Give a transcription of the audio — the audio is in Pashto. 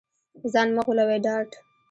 ځان مه غولوې ډارت